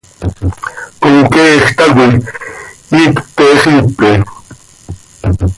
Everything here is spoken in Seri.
Comqueej tacoi iicp pte xiipe.